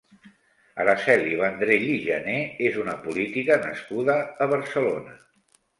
Araceli Vendrell i Gener és una política nascuda a Barcelona.